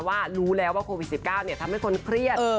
ว่ารู้แล้วว่าโควิด๑๙ทำให้คนเครียด